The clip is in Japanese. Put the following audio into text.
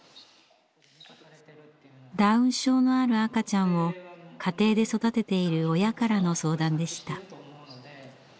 ダウン症のある赤ちゃんを家庭で育てている親からの相談でした。